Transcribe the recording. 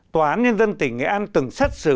tòa án nhân dân tỉnh nghệ an từng xét xử